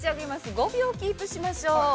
５秒キープしましょう。